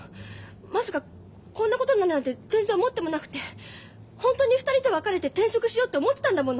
まさかこんなことになるなんて全然思ってもいなくてホントに２人と別れて転職しようって思ってたんだもの。